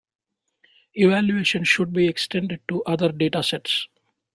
Evaluation should be extended to other datasets.